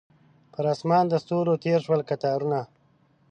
پر اسمان د ستورو تیر شول کتارونه